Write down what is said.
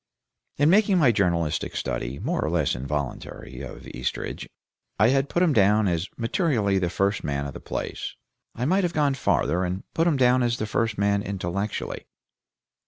In making my journalistic study, more or less involuntary, of Eastridge, I had put him down as materially the first man of the place; I might have gone farther and put him down as the first man intellectually.